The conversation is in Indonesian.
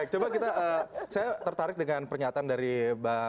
coba kita saya tertarik dengan pernyataan dari bang nyanyar